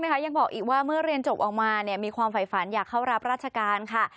ยังบอกอีกว่าเมื่อเรียนจบออกมามีความฝ่ายฝันอยากเข้ารับราชการค่ะ